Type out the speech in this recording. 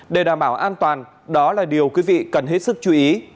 để đảm bảo an toàn đó là điều quý vị cần hết sức chú ý